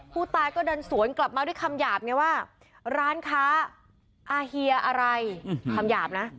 ผู้ตายก็เดินสวนกลับมาด้วยคำหยาบไงว่าร้านค้าอาเฮียอะไรคำหยาบนะ